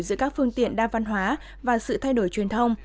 giữa các phương tiện đa văn hóa và sự thay đổi truyền thông